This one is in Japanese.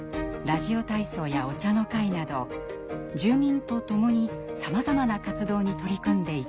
ラジオ体操やお茶の会など住民と共にさまざまな活動に取り組んでいきます。